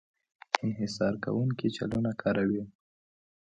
انحصار کوونکی چلونه کاروي.